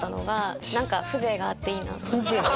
風情！